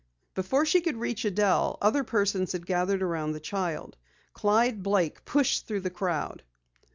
Before she could reach Adelle, other persons had gathered around the child. Clyde Blake pushed through the crowd.